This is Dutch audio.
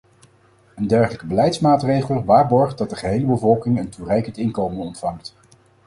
Een dergelijke beleidsmaatregel waarborgt dat de gehele bevolking een toereikend inkomen ontvangt.